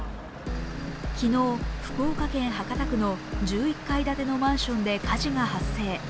昨日、福岡県博多区の１１階建てのマンションで火事が発生。